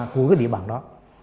của cái địa bàn đó